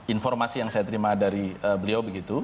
informasi yang saya terima dari beliau begitu